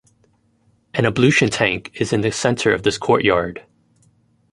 An ablution tank is in the centre of this courtyard.